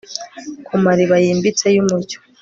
Ku mariba yimbitse yumucyo